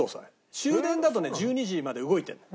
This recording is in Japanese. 終電だとね１２時まで動いてるの。